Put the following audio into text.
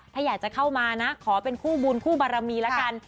ถ้าอยากจะเข้ามานะขอเป็นคู่บุญคู่บารมีละกัน